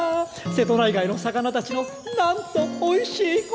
瀬戸内海の魚たちのなんとおいしいことだろう！